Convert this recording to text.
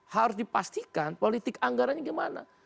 harus dipastikan politik anggarannya gimana